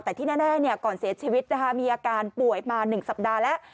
แต่ที่แน่ก่อนเสียชีวิตมีอาการป่วยมา๑สัปดาห์แล้ว